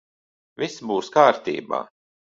Viss būs kārtībā.